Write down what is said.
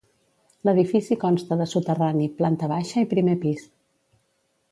L’edifici consta de soterrani, planta baixa i primer pis.